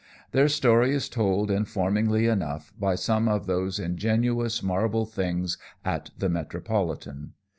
Their story is told, informingly enough, by some of those ingenuous marble things at the Metropolitan.